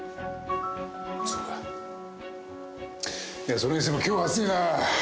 それにしても今日暑いな。